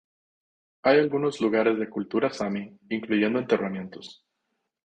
Hay algunos lugares de cultura sami, incluyendo enterramientos.